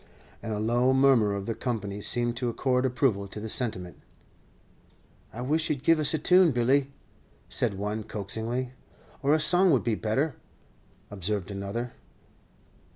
And a low murmur of the company seemed to accord approval to the sentiment. "I wish you 'd give us a tune, Billy," said one, coaxingly. "Or a song would be better," observed another.